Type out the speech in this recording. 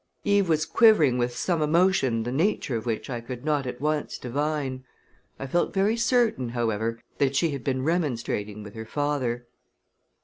Eve was quivering with some emotion the nature of which I could not at once divine. I felt very certain, however, that she had been remonstrating with her father.